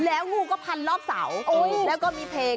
แล้วงูก็พันรอบเสาแล้วก็มีเพลง